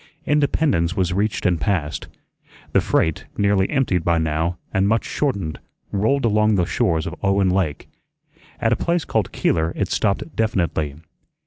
Independence was reached and passed; the freight, nearly emptied by now, and much shortened, rolled along the shores of Owen Lake. At a place called Keeler it stopped definitely.